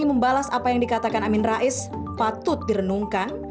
yang menjelaskan bahwa penjelasan yang dikatakan amin rais patut direnungkan